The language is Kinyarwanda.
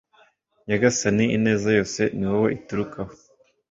nyagasani, ineza yose ni wowe iturukaho